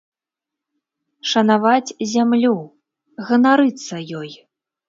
Шанаваць зямлю, ганарыцца ёй.